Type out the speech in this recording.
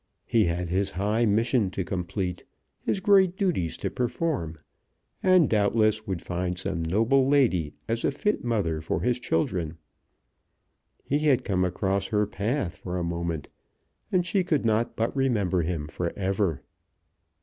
He had his high mission to complete, his great duties to perform, and doubtless would find some noble lady as a fit mother for his children. He had come across her path for a moment, and she could not but remember him for ever!